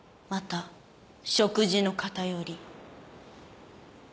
また食事の偏り。